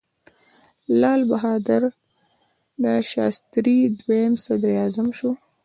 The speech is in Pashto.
لال بهادر شاستري دویم صدراعظم شو.